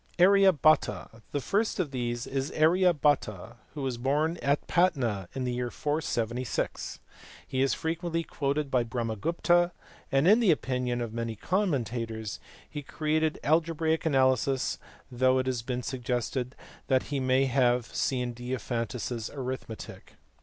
Arya Bhata. The first of these is Arya Bhata, who was born at Patna in the year 476. He is frequently quoted by Brahmagupta, and in the opinion of many commentators he created algebraic analysis though it has been suggested that he may have seen Diophantus s Arithmetic.